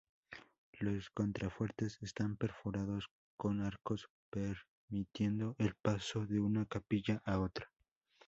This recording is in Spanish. Los contrafuertes están perforados con arcos permitiendo el paso de una capilla a otra.